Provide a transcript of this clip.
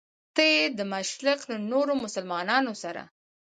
نه یې د مشرق له نورو مسلمانانو سره.